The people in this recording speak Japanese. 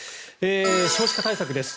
少子化対策です。